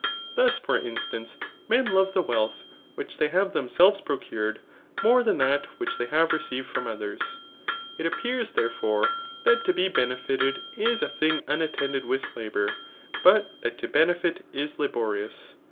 Thus, for in stance, men love the wealth which they have tfaonselves procured, niore than that which they have received from <^ers. It appears, therefore, that to be benefited is a thing unattended with labour ; but that to benefit is la borious.